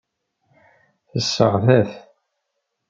Tesseɣta-t.